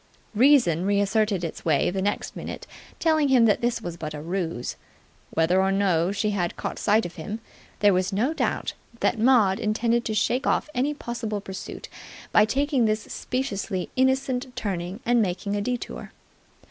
Reason reasserted its way the next minute, telling him that this was but a ruse. Whether or no she had caught sight of him, there was no doubt that Maud intended to shake off any possible pursuit by taking this speciously innocent turning and making a detour.